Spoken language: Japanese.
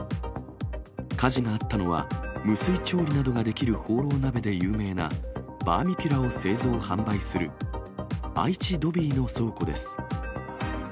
火事があったのは、無水調理などができるホーロー鍋で有名なバーミキュラを製造・販売する愛知ドビーの倉庫です。